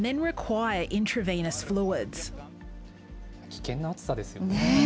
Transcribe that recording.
危険な暑さですよね。